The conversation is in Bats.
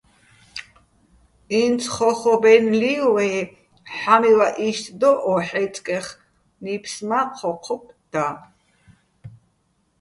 ინც ხო́ხობ-აჲნო̆ ლი́ვ ვაჲ, ჰ̦ა́მივაჸ იშტ დო ო ჰ̦აჲწკეხ, ნიფს მა́ ჴო́ჴობ და.